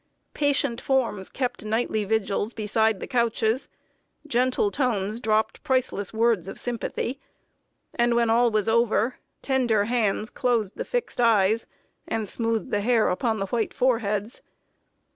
Patient forms kept nightly vigils beside the couches; gentle tones dropped priceless words of sympathy; and, when all was over, tender hands closed the fixed eyes, and smoothed the hair upon the white foreheads.